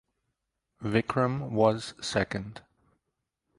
Vikram was second.